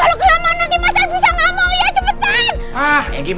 uya cepetan bukain